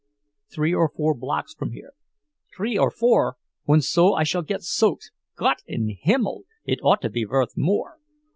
"Three or four blocks from here." "Tree or four! Und so I shall get soaked! Gott in Himmel, it ought to be vorth more!